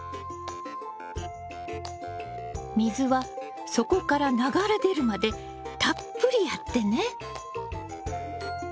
水は底から流れ出るまでたっぷりやってね。